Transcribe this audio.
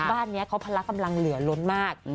บ้านนี้เขาพละกำลังเหลือล้นมาก